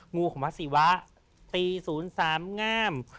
งูของพระศิวะตีศูนย์สามงาม